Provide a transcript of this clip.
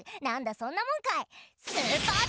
そんなもんかい？